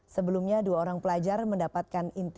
sebelumnya dua orang pelajar mendapatkan inti